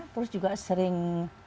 terus juga sering